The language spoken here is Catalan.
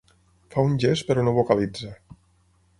Fa un gest però no vocalitza.